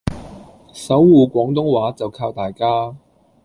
守護廣東話就靠大家